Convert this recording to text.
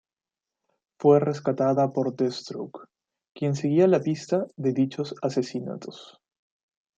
Fue rescatada por Deathstroke, quien seguía la pista de dichos asesinatos.